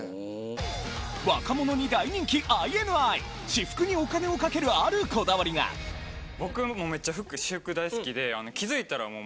若者に大人気ＩＮＩ私服にお金をかけるあるこだわりが僕もめっちゃ服私服大好きで気づいたら。